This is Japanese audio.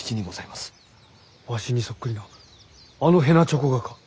わしにそっくりなあのへなちょこがか？